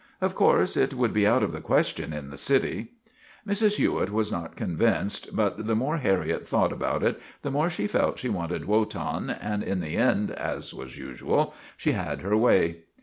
Of course, it would be out of the question in the city." Mrs. Hewitt was not convinced, but the more Harriet thought about it the more she felt she wanted Wotan, and in the end, as was usual, she had her way.